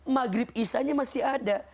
maghrib isya nya masih ada